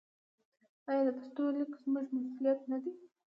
آیا د پښتو لیکل زموږ مسوولیت نه دی؟